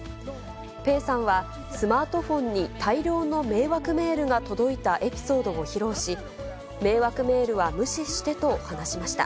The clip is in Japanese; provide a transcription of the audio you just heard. ペーさんは、スマートフォンに大量の迷惑メールが届いたエピソードを披露し、迷惑メールは無視してと話しました。